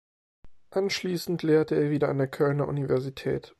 Anschließend lehrte er wieder an der Kölner Universität.